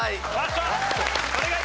お願い！